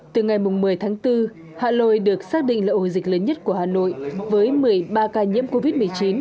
từ ngày một mươi tháng bốn hạ lôi được xác định là ổ dịch lớn nhất của hà nội với một mươi ba ca nhiễm covid một mươi chín